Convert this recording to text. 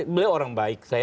beliau orang baik